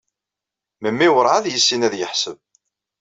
Memmi werɛad yessin ad yeḥseb.